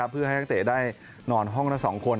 เพื่อให้นักเตะได้นอนห้องละ๒คน